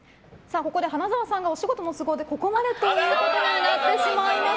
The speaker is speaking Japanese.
ここで花澤さんがお仕事の都合でここまでとなってしまいます。